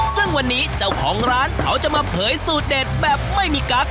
ซึ่งวันนี้เจ้าของร้านเขาจะมาเผยสูตรเด็ดแบบไม่มีกั๊ก